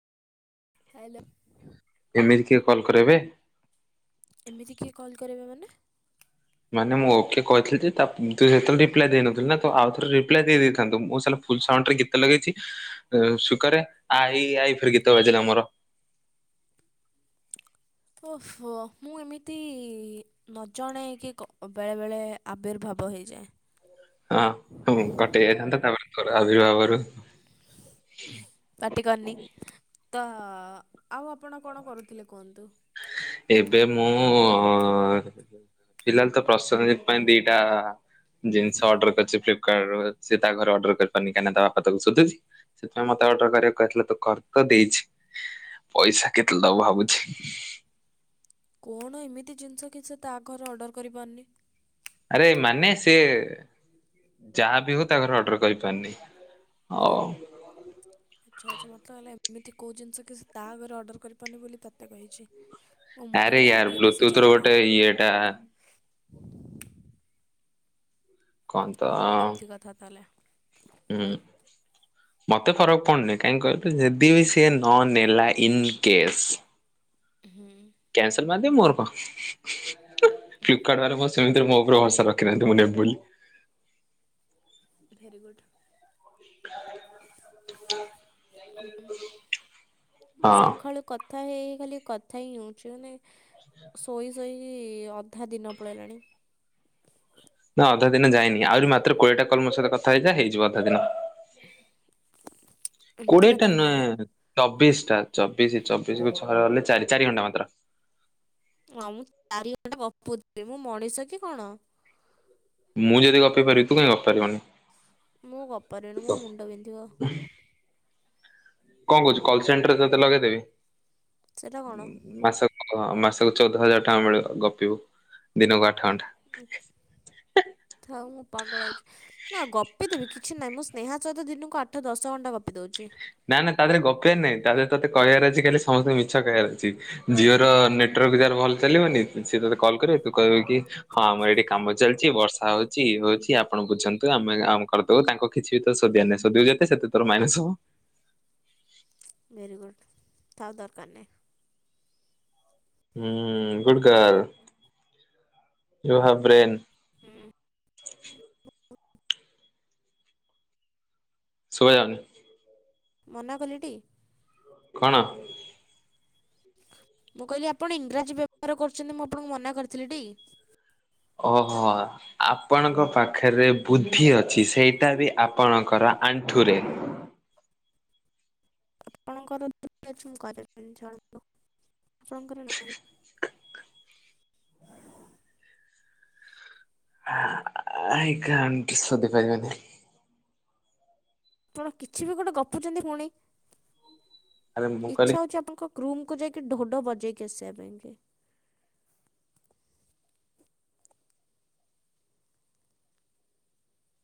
Hello ଏମିତି କିଏ call କରେବେ? ଏମିତି କିଏ କଲ୍ କରିବ ମାନେ? ମାନେ ମୁଁ ଓକେ କହିଥିଲି ଯେ ତା ତୁ ସେତେବେଳେ ରିପ୍ଲାଏ ଦେଇନଥିଲୁ। ନା ତୁ ଆଉ ଥରେ ରିପ୍ଲାଏ ଦେଇଥାନ୍ତୁ। ମୁଁ ସେଦିନ ଫୁଲ୍ ସାଉଣ୍ଡ ଗୀତ ଲଗେଇଛି। ସୁକରେ ଆଇ ଆଇ ଫ ଗୀତ ବାଜିଲା ଆମର। ଓଃ ମୁଁ ଏମିତି ନ ଜଣେଇକି ବେଳେ ବେଳେ ଆବିର୍ଭାବ ବ ହେଇଯାଏ। ହଁ ହଁ କଟେଇ ଯାଇଥାନ୍ତା। ତାପରେ ଆବିର୍ଭାବରୁ ପାଟି କରନି। ତ ଆଉ ଆପଣ କଣ କରୁଥିଲେ କୁହନ୍ତୁ? ଏବେ ମୁଁ ଫିଲ୍ହାଲ ତ [unintelligible] ପ୍ରସନ ପାଇଁ ଦିଟା ଜିନିଷ ଅଡର କରିଛି ଫ୍ଲିପକାର୍ଟ ରୁ। ସେ ତା ଘରେ ଅଡର୍ କରିପାରୁନି। କାହିଁକି ନା ତା ବାପା ତାକୁୁ ସୋଧୁଛି ସେଥିପାଇଁ ମତେ ମତେ ଅର୍ଡର କରିବାକୁ କହିଥିଲା। ମୁଁ କରି ତ ଦେଇଛି, ପଇସା କେତବେଳେ ଦବ ଭାବୁଛି? କଣ ଏମିତି ଜିନିଷ କି ସେ ତା ଘରେ ଅର୍ଡର କରିପାରୁନି? ଆରେ ମାନେ ସିଏ ଯାହା ବିି ହଉ ତା ଘରେ ଅର୍ଡର କହିପାରୁନି। ଆଉ ଆଚ୍ଛା ଆଚ୍ଛା। ମୋତେ କହିଲା ଏମିତି କୋଉ ଜିନିଷ କି ତା ଆଗରେ ଅର୍ଡ଼ର କରିପାରୁନି ବୋଲି ତୋତେ କହିଛି? ମୋ ମୁଣ୍ଡ ଆରେ ଟିକେ ଆଉ ୟାର ଟିକେ ବେଶୀ ବ୍ଲୁଟୁଥ ର ଚାଲିଲା ଗୋଟେ ଇଏଟା କଣ ତ ଓହୋ ଏମିତି କଥା ତାହେଲେ? ହୁଁ। ମତେ ଫରକ ପଡୁନି। କାହିଁକି କହିଲୁ ଯଦି ବି ସିଏ ନ ନେଲା ଇନ୍ କେସ୍? ହୁଁ। କ୍ୟାନସଲ ମୋର [inaudible] କ ଫ୍ଲିପକାର୍ଟ ବ ସେମିତି ମୋ ଉପରେ ଭରସା ରଖିନାହାନ୍ତି ମୁଁ ନେବି ବୋଲି? Very good. ହ ମୁଁ ସକାଳୁ କଥା ହେଇ ଖାଲି କଥା ହିଁ ହଉଛି। ମାନେ ଶୋଇ ଶୋଇ ଅଧା ଦିନ ପଳେଇଲାଣି। ନା ଅଧା ଦିନ ଯାଇନି। ଆହୁରି ମାତ୍ର କୋଡିଏଟା କଲ ମୋ ସହିତ କଥା ହେଇଯା ହେଇଯିବ ଅଧା ଦିନ। ଏମିତି କଥା କୋଡିଏଟା କି ତାହେଲେ ନୁହଁ ଚବିଶ ଟା ଚବିଶ ଚବିଶ କୁ ଛ ରେ ହରିଲେ ଚାରି ଚାରି ଘଣ୍ଟା ମାତ୍ର। ହଁ ମୁଁ ଚାରି ଘଣ୍ଟା ଗପୁଥିବି। ମୁଁ ମଣିଷ କି କଣ? ମୁଁ ଯଦି ଗପି ପାରିବି ତୁ କାହିଁ ଗପି ପାରିବୁନି? ମୁଁ ଗପି ପାରିବିନି। ମୋ ମୁଣ୍ଡ ବିନ୍ଧିବ। କଣ କହୁଛୁ କଲ ସେଣ୍ଟରରେ ତତେ ଲଗେଇଦେବି ସେଇଟା କଣ ମାସ ଓ ମାସକୁ ଚଉଦ ହଜାର ଟଙ୍କା ମିଳିବ ଗପିବୁ ଦିନକୁ ଆଠ ଘଣ୍ଟା ଏ୍ ଥାଉ ମୁଁ ପାଗଳ ହେଇଜି ନା ଗପି ଦେବି କିଛି ନାହିଁ ମୁଁ ସ୍ନେହା ସହିତ ଦିନକୁ ଆଠ ଦଶ ଘଣ୍ଟା ଗପି ଦେଉଛି ନା ନା ତା ଦେହରେ ଗପିବାର ନାଇଁ ତା ଦେହରେ ତତେ କହିବାର ଅଛି ଖାଲି ସମସ୍ତେ ମିଛ କହିବାର ଅଛି ଜିଓ ର ନେଟୱାର୍କ ଯାର ଭଲ ଚାଲିବନି ସିଏ ତତେ କଲ୍ କରିବେ ତୁ କହିବୁ କି ହଁ ଆମର ଏଇଠି କାମ ଚାଲିଛି ବର୍ଷା ହଉଛି ଇଏ ହଉଛି ଆପଣ ବୁଝନ୍ତୁ ଆମେ ଆମ କରିଦବୁ ତାଙ୍କୁ କିଛି ବି ତ ସୋଧିବାର ନାହିଁ ସୋଧୀବୁ ଯେତେ ସେତେ ତୋର ମାଇନସ ହବ [inaudible] ଭେରୀଗୁଡ଼ ଥାଉ ଦରକାର ନାହିଁ ହୁଁ ଗୁଡ଼ଗାର୍ଲ୍, ୟୁ ହାବ ବ୍ରେନ ହୁଁ ଶୁଭା ଯାଉନି ମନା କଲିଟି କଣ ମୁଁ କହିଲି ଆପଣ ଇଂରାଜୀ ବ୍ୟବହାର କରୁଛନ୍ତି ମୁଁ ଆପଣଙ୍କୁ ମନା କରିଥିଲି ଟି ଓହୋ ଆପଣଙ୍କ ପାଖରେ ବୁଦ୍ଧି ଅଛି ସେଇଟା ବି ଆପଣଙ୍କର ଆଣ୍ଠୁରେ [inaudible] ଆପଣଙ୍କର ଅଛି ମୁଁ କରିବିନି ଛାଡ଼ନ୍ତୁ ଆପଣଙ୍କର ନାଇଁ ଆଇ କ୍ୟାନ୍ଟ ସୋଧିପାରିବନ ଆପଣ କିଛି ବି ଗୋଟେ ଗପୁଛନ୍ତି ପୁଣି ଆରେ ମୁଁ କହିଲି ଇଚ୍ଛା ହଉଛି ଆପଣଙ୍କ ରୁମକୁ ଯାଇକି ଢୋ ଢ଼ୋ ଵଜେଇକି ଆସିଵା ପାଇଁକି